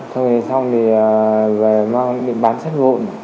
thôi xong thì bán sắt vụn